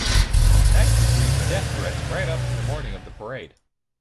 Kight received death threats right up to the morning of the parade.